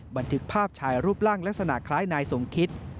บันทึกภาพชายรูปร่างลักษณะคล้ายนายสมคิต